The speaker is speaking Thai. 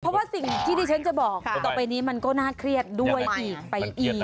เพราะว่าสิ่งที่ที่ฉันจะบอกต่อไปนี้มันก็น่าเครียดด้วยอีกไปอีก